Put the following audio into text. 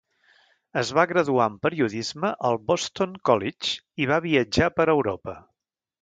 Es va graduar en periodisme al Boston College i va viatjar per Europa.